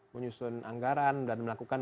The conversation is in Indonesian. menyusun anggaran dan melakukan